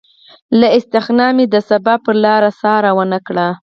له استغنا مې د سبا پرلاره څار ونه کړ